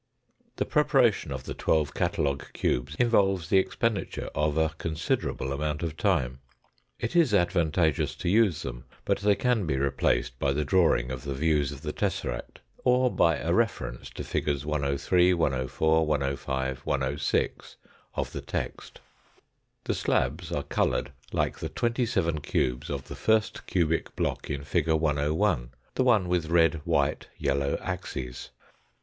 The preparation of the twelve catalogue cubes involves the expenditure of a considerable amount of time. It is advantageous to use them, but they can be replaced by the drawing of the views of the tesseract or by a reference to figs. 103, 104, 105, 106 of the text. The slabs are coloured like the twenty seven cubes of the first cubic block in fig. 101, the one with red, white, yellow axes.